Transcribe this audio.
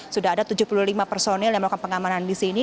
sudah ada tujuh puluh lima personil yang melakukan pengamanan di sini